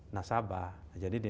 nasabah jadi ini